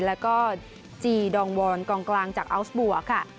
แล้วก็จีดองวอนกองกลางจากอัลสบัวค่ะ